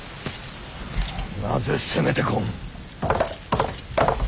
なぜ攻めてこん。